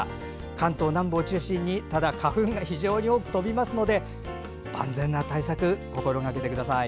関東南部を中心に花粉が非常に多く飛びますので万全な対策、心がけてください。